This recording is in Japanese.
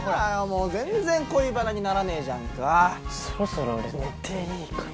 もう全然恋バナにならねえじゃんかそろそろ俺寝ていいかな？